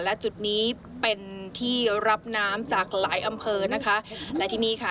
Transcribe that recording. และจุดนี้เป็นที่รับน้ำจากหลายอำเภอนะคะและที่นี่ค่ะ